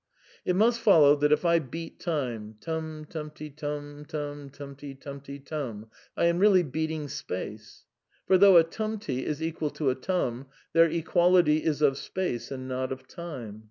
It must follow that if I beat time : tum — tumty — tum — tum : tumty — tumty — tum, I am really beating space. For, though a tumty is equal to a tum, their equality is of space and not of time.